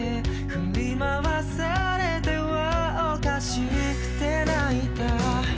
「振り回されては可笑しくて泣いた」